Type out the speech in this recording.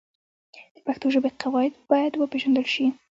د پښتو ژبې قواعد باید وپېژندل سي.